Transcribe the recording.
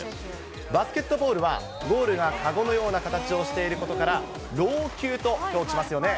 バスケットボールはゴールが籠のような形をしていることから、籠球と表記しますよね。